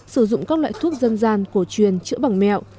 sử dụng các loại thuốc dân gian cổ truyền chữa bằng mẹo